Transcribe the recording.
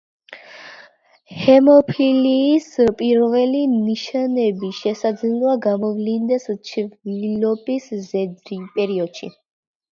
ჰემოფილიის პირველი ნიშნები შესაძლოა გამოვლინდეს ჩვილობის პერიოდში.